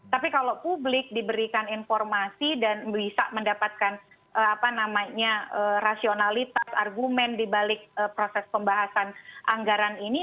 tapi kalau publik diberikan informasi dan bisa mendapatkan rasionalitas argumen dibalik proses pembahasan anggaran ini